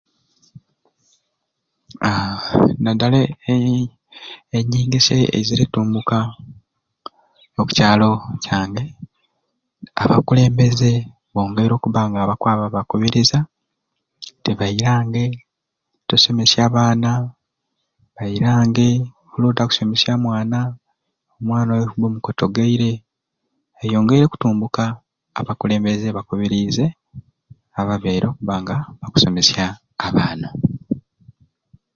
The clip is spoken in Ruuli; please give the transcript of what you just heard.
Aaa naddala e enyingisya eizire etunbuka okukyalo kyange abakulembeze bongeire okuba nga bakwaba bakubirizi nti bairange tusomeserye abaana, bairange buli lwotakusomesya omwana, omwana oyo obba omukotogeire. Eyongeire kutumbuka abakulembeze bakubiriize ababyaire okubba nga bakusomesya abaana